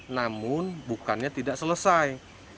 namun bukannya tidak selesai